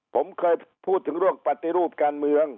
ผมเคยพูดถึงเรื่องปฏิรูปการเมือง